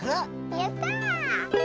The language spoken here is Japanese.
やった！